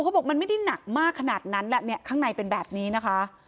เขาบอกมันไม่ได้หนักมากขนาดนั้นแหละเนี่ยข้างในเป็นแบบนี้นะคะ